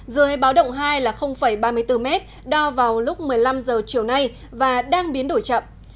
dưới báo động hai là ba mươi bốn m đo vào lúc một mươi năm h chiều nay và đang biến đổi chậm